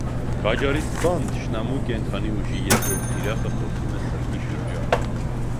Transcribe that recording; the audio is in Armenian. Քաջարի սպան թշնամու կենդանի ուժի երկրորդ թիրախը խոցում է սրտի շրջանում։